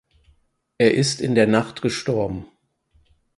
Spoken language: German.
Er ist in der Nacht gestorben.